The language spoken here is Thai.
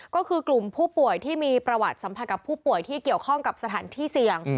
ก็คือกลุ่มผู้ป่วยที่มีประวัติสัมผัสกับผู้ป่วยที่เกี่ยวข้องกับสถานที่เสี่ยง